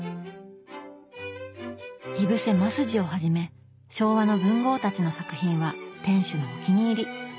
井伏鱒二をはじめ昭和の文豪たちの作品は店主のお気に入り。